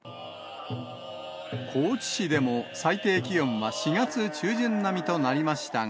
高知市でも最低気温が４月中旬並みとなりましたが。